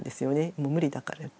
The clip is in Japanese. もう無理だから。